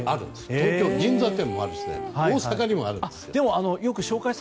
東京・銀座にもあって大阪にもあるんです。